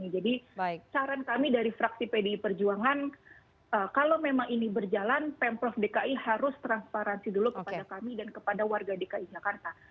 jadi saran kami dari fraksi pdi perjuangan kalau memang ini berjalan pemprov dki harus transparansi dulu kepada kami dan kepada warga dki jakarta